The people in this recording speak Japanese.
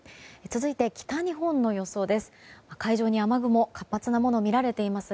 続いて、北日本の予想です。